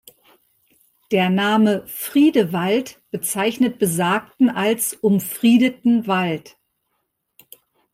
Der Name „Friedewald“ bezeichnet besagten als „umfriedeten Wald“.